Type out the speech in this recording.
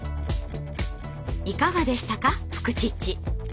いかがでしたか「フクチッチ」。